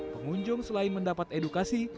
pengunjung selain mendapat edukasi